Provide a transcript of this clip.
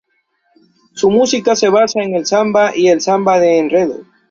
Su música se basa en el samba y el samba de enredo.